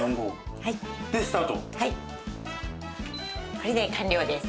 これで完了です。